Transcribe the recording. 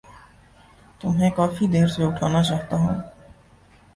تمہیں کافی دیر سے اٹھانا چاہتا تھا۔